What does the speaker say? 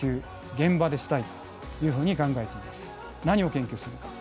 何を研究するか。